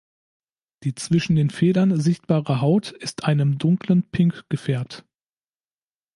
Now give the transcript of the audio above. Die zwischen den Federn sichtbare Haut ist einem dunklen Pink gefärbt.